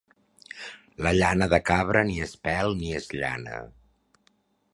La llana de cabra ni és pèl ni és llana.